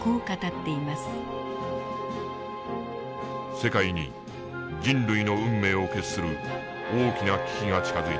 「世界に人類の運命を決する大きな危機が近づいている。